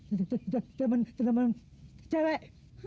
iya teman teman cewek